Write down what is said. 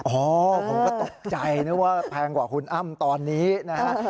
ผมก็ตกใจนึกว่าแพงกว่าคุณอ้ำตอนนี้นะฮะ